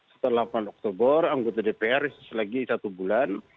setelah delapan oktober anggota dpr selagi satu bulan